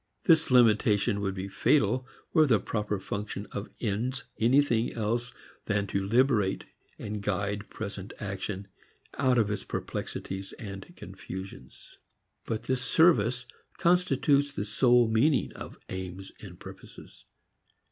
This limitation would be fatal were the proper function of ends anything else than to liberate and guide present action out of its perplexities and confusions. But this service constitutes the sole meaning of aims and purposes.